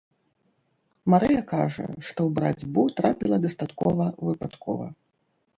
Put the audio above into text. Марыя кажа, што ў барацьбу трапіла дастаткова выпадкова.